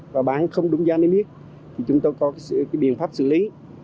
hành không đúng giá niêm ít chúng tôi có biện pháp xử lý